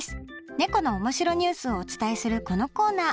ねこの面白ニュースをお伝えするこのコーナー。